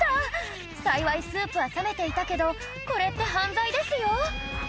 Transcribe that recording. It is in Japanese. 幸いスープは冷めていたけどこれって犯罪ですよ